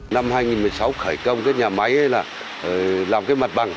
năm hai nghìn một mươi sáu khởi công cái nhà máy là làm cái mặt bằng